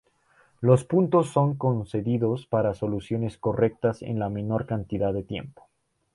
Los puntos son concedidos para soluciones correctas en la menor cantidad de tiempo.